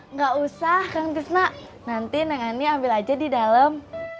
nggak usah kang fisna nanti neng ani ambil aja di dalam